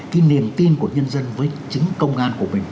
cái niềm tin của nhân dân với chính công an của mình